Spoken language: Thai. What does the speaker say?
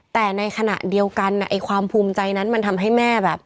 แต่ในขณะเดียวกันความภูมิใจนั้นมันทำให้แม่แบบ